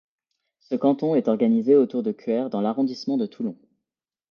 Ce canton est organisé autour de Cuers dans l'arrondissement de Toulon.